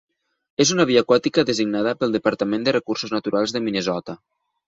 És una via aquàtica designada pel Departament de Recursos Naturals de Minnesota.